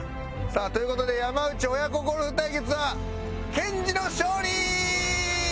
さあという事で山内親子ゴルフ対決は健司の勝利！